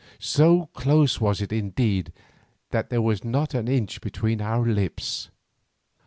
So close was it indeed that there was not an inch between our lips.